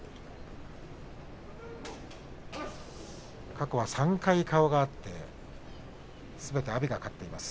過去は３回顔が合ってすべて阿炎が勝っています。